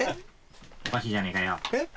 おかしいじゃねえかよ。